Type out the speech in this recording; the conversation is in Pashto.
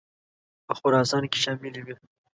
په خراسان کې شاملي وې.